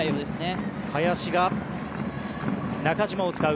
林が中島を使う。